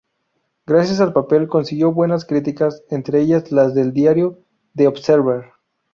Gracias al papel consiguió buenas críticas, entre ellas las del diario"The Observer".